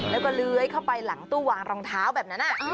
แล้วก็เลื้อยเข้าไปหลังตู้วางรองเท้าแบบนั้น